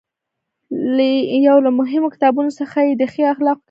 یو له مهمو کتابونو څخه یې د ښې اخلاقو کتاب دی.